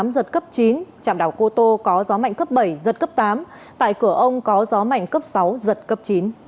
giật cấp chín trạm đảo cô tô có gió mạnh cấp bảy giật cấp tám tại cửa ông có gió mạnh cấp sáu giật cấp chín